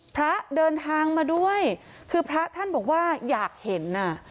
พระเดินทางมาด้วยคือพระท่านบอกว่าอยากเห็นน่ะ